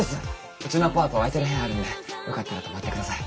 うちのアパート空いてる部屋あるんでよかったら泊まって下さい。